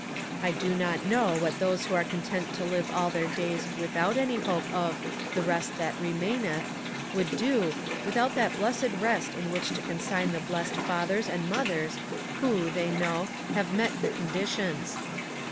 I do not know what those who are content to live all their days without any hope of the "rest that remaineth" would do without that blessed rest in which to consign the blessed fathers and mothers who, they know, have met the conditions.